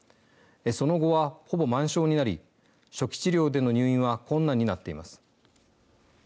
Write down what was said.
その後は、ほぼ満床になり初期治療での入院は困難になっています。